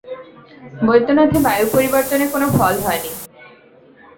বৈদ্যনাথে বায়ু পরিবর্তনে কোন ফল হয়নি।